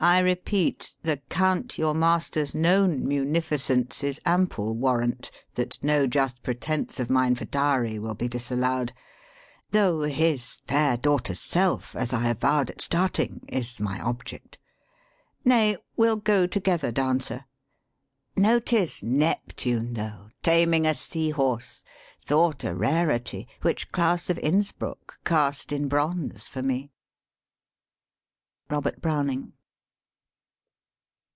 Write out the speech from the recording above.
I repeat, The Count your master's known munificence Is ample warrant that no just pretence Of mine for dowry will be disallowed; Though his fair daughter's self, as I avowed At starting, is my object. Nay, we'll go Together down, sir. Notice Neptune, though, Taming a sea horse, thought a rarity, Which Claus of Innsbruck cast in bronze for me!" ROBERT BROWNING.